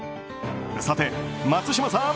さて、松嶋さん。